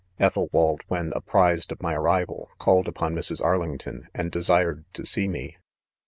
1 Ethelwald, when apprised of my arrival, called upon Mrs. Arlington, and desired to see me.